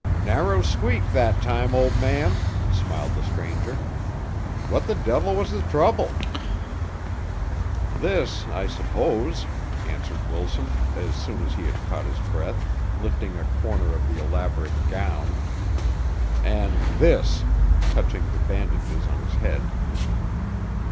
"Narrow squeak that time, old man," smiled the stranger. "What the devil was the trouble?" "This, I suppose," answered Wilson, as soon as he had caught his breath, lifting a corner of the elaborate gown. "And this," touching the bandages on his head.